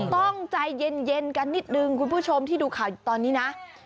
ต้องใจเย็นกันนิดนึงคุณผู้ชมที่ดูข่าวอยู่ตอนนี้นะ